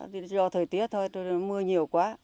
do thời tiết thôi mưa nhiều quá